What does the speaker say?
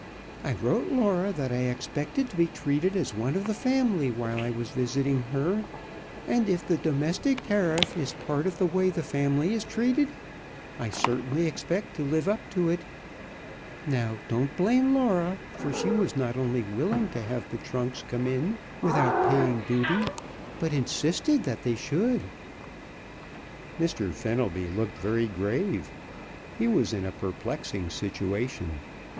I wrote Laura that I expected to be treated as one of the family while I was visiting her, and if the Domestic Tariff is part of the way the family is treated I certainly expect to live up to it. Now, don't blame Laura, for she was not only willing to have the trunks come in without paying duty, but insisted that they should." Mr. Fenelby looked very grave. He was in a perplexing situation.